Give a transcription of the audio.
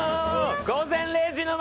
「午前０時の森」